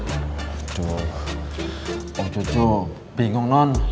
aduh om jojo bingung non